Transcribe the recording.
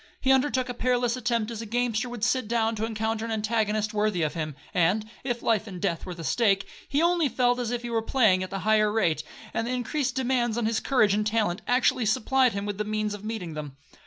He undertook a perilous attempt as a gamester would sit down to encounter an antagonist worthy of him; and, if life and death were the stake, he only felt as if he were playing at a higher rate, and the increased demands on his courage and talent actually supplied him with the means of meeting them.